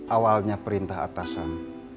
awalnya perintah atasan